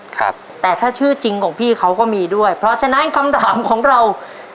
ครับแต่ถ้าชื่อจริงของพี่เขาก็มีด้วยเพราะฉะนั้นคำถามของเรา